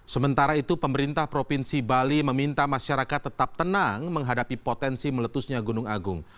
sementara itu pemerintah provinsi bali meminta masyarakat tetap tenang menghadapi potensi meletusnya gunung agung